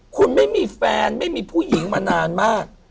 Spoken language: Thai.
คุณไม่มีแฟนไม่มีผู้หญิงมานานมาก